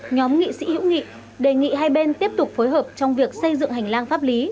nhóm nghị sĩ hữu nghị đề nghị hai bên tiếp tục phối hợp trong việc xây dựng hành lang pháp lý